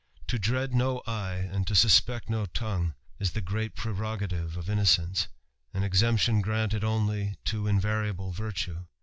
loj To dread no eye, and to suspect no tongue, is the great prerogative of innocence ; an exemption granted only to invariable virtue.